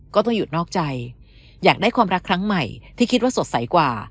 ก็ต้องหยุดนอกใจอยากได้ความรักครั้งใหม่ที่คิดว่าสดใสกว่า